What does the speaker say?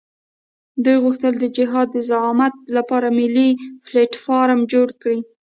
دوی غوښتل د جهاد د زعامت لپاره ملي پلټفارم جوړ کړي.